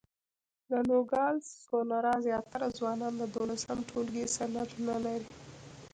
د نوګالس سونورا زیاتره ځوانان د دولسم ټولګي سند نه لري.